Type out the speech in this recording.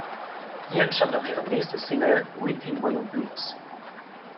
Hier entstand auch ihre nächste Single „Weeping Willow Blues“.